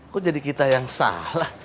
kok jadi kita yang salah